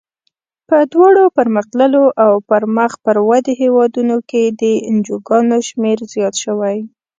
په دواړو پرمختللو او مخ پر ودې هېوادونو کې د انجوګانو شمیر زیات شوی.